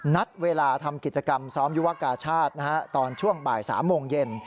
นัดเวลาทำกิจกรรมซ้อมยุวกาชาติตอนช่วงบ่าย๓โมงเย็น